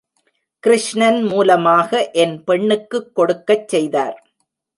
கிருஷ்ணன் மூலமாக, என் பெண்ணுக்குக் கொடுக்கச் செய்தார்.